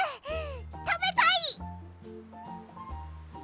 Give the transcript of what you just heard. たべたい！